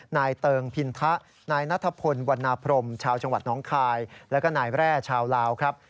นายเติงพินทะนายนัทพลวันนาพรมชาวจังหวัดน้องคายแล้วก็นายแร่ชาวลาวครับ